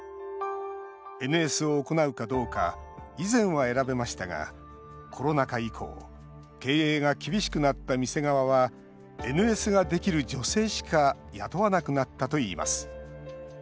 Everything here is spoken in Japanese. ＮＳを行うかどうか以前は選べましたがコロナ禍以降経営が厳しくなった店側はＮＳができる女性しか雇わなくなったといいます。